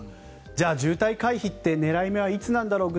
じゃあ渋滞回避って狙い目はいつなんだろう